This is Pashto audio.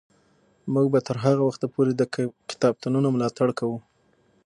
موږ به تر هغه وخته پورې د کتابتونونو ملاتړ کوو.